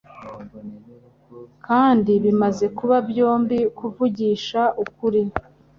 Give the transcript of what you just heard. kandi bimaze kuba byombi kuvugisha ukuri